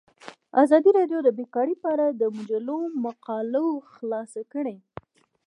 ازادي راډیو د بیکاري په اړه د مجلو مقالو خلاصه کړې.